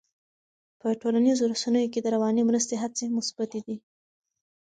په ټولنیزو رسنیو کې د رواني مرستې هڅې مثبتې دي.